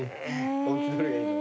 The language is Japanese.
大木どれがいいの？